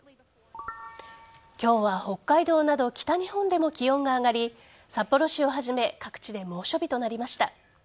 今日は北海道など北日本でも気温が上がり札幌市をはじめ各地で猛暑日となりました。